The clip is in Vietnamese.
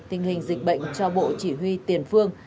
tình hình dịch bệnh cho bộ chỉ huy tiền phương